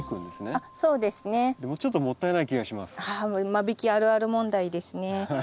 あ間引きあるある問題ですね。